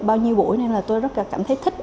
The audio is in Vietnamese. bao nhiêu buổi nên là tôi rất là cảm thấy thích